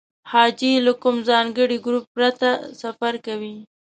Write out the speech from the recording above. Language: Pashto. حاجي له کوم ځانګړي ګروپ پرته سفر کوي.